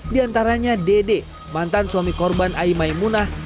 diantaranya dede mantan suami korban aimaimunah